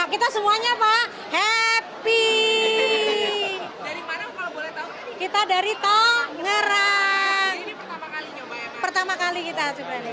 pertama kali kita sebenarnya